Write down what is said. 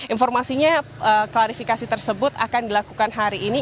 informasinya klarifikasi tersebut akan dilakukan hari ini